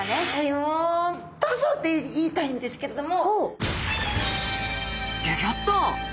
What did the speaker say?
「もうどうぞ！」って言いたいんですけれども。